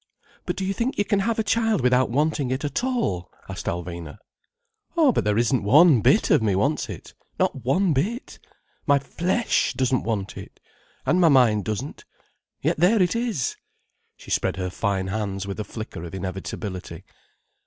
"But do you think you can have a child without wanting it at all?" asked Alvina. "Oh, but there isn't one bit of me wants it, not one bit. My flesh doesn't want it. And my mind doesn't—yet there it is!" She spread her fine hands with a flicker of inevitability.